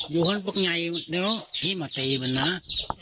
อยู่ข้างบนไงเดี๋ยวที่มาตีป่ะเนี่ย